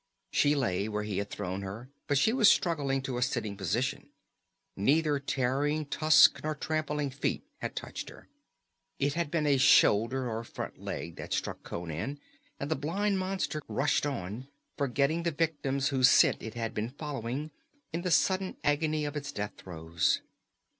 She lay where he had thrown her, but she was struggling to a sitting posture. Neither tearing tusks nor trampling feet had touched her. It had been a shoulder or front leg that struck Conan, and the blind monster rushed on, forgetting the victims whose scent it had been following, in the sudden agony of its death throes.